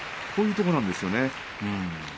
こういうところなんですよね。